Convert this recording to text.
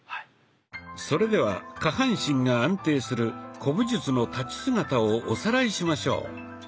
それでは下半身が安定する古武術の立ち姿をおさらいしましょう。